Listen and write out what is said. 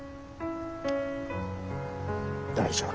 大丈夫。